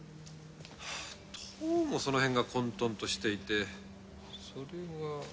どうもそのへんが混沌としていてそれが。